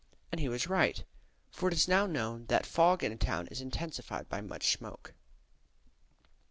And he was right. For it is now known that fog in a town is intensified by much smoke.